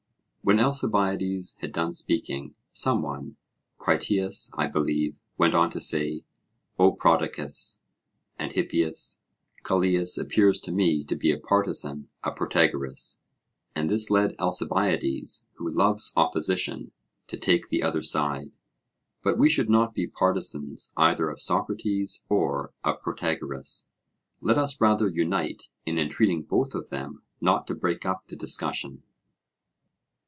When Alcibiades had done speaking, some one Critias, I believe went on to say: O Prodicus and Hippias, Callias appears to me to be a partisan of Protagoras: and this led Alcibiades, who loves opposition, to take the other side. But we should not be partisans either of Socrates or of Protagoras; let us rather unite in entreating both of them not to break up the discussion.